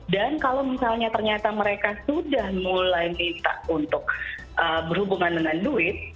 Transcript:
dan kalau misalnya ternyata mereka sudah mulai minta untuk berhubungan dengan duit